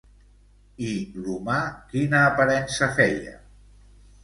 I l'humà, quina aparença feia?